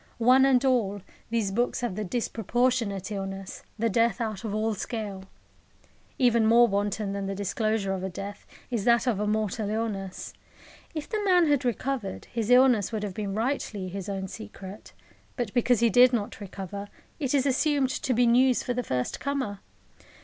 One and all, these books have the disproportionate illness, the death out of all scale. Even more wanton than the disclosure of a death is that of a mortal illness. If the man had recovered, his illness would have been rightly his own secret. But because he did not recover, it is assumed to be news for the first comer.